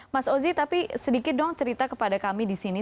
mas ozi tapi sedikit dong cerita kepada kami di sini